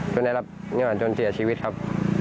ได้รับเงินจนเสียชีวิตครับ